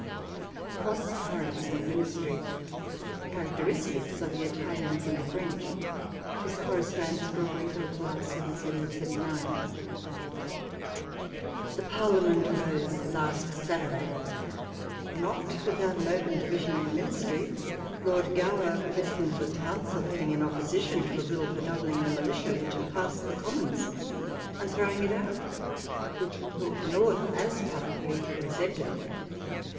CROSSCURRENTS IN TEE MINISTRY— CHA RACTERISTICS OF THE ITALIANS AND THE FRENCH. To Sir Horace Mann. Strawberry Hill, July 7, 1779. ... The Parliament rose last Saturday, not without an open division in the Ministry : Lord Gower, President of the Council, heading an opposition to a Bill for doubling the Militia, which had passed the Commons, and throwing it out ; which Lord North as publicly resented.